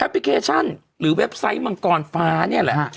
พลิเคชันหรือเว็บไซต์มังกรฟ้าเนี่ยแหละฮะ